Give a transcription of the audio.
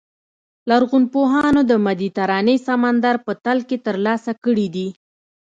لرغونپوهانو د مدیترانې سمندر په تل کې ترلاسه کړي دي.